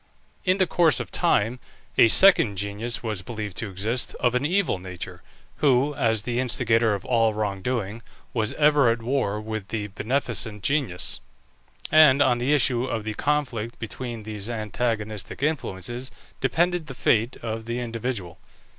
In the course of time a second genius was believed to exist, of an evil nature, who, as the instigator of all wrong doing, was ever at war with the beneficent genius; and on the issue of the conflict between these antagonistic influences, depended the fate of the individual.